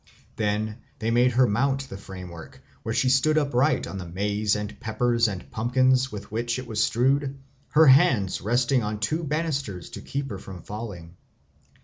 Then they made her mount the framework, where she stood upright on the maize and peppers and pumpkins with which it was strewed, her hands resting on two bannisters to keep her from falling.